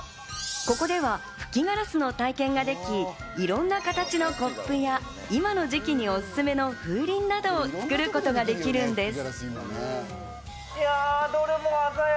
ここでは吹きガラスの体験ができ、いろんな形のコップや今の時期にお薦めの風鈴などを作ることができるんです。